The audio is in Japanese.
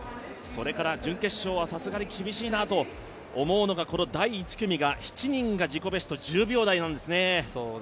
準決勝はさすがに厳しいなと思うのが、この第１組が７人が１０秒台なんですね。